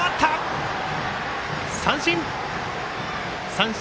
三振！